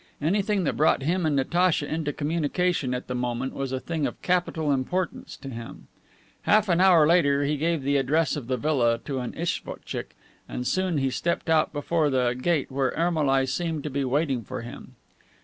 Anything that brought him and Natacha into communication at the moment was a thing of capital importance to him. Half an hour later he gave the address of the villa to an isvotchick, and soon he stepped out before the gate where Ermolai seemed to be waiting for him.